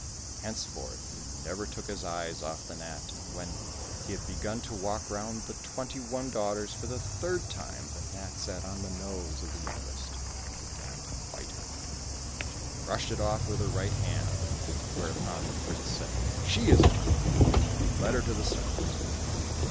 Henceforth he never took his eyes off the gnat, and when he had begun to walk round the twenty one daughters for the third time, the gnat sat on the nose of the youngest, and began to bite her. She brushed it off with her right hand, whereupon the prince said, " She is mine !" and led her to the serpent.